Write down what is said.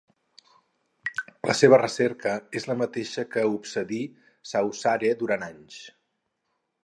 La seva recerca és la mateixa que obsedí Saussure durant anys.